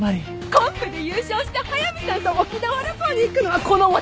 コンペで優勝して速見さんと沖縄旅行に行くのはこの私！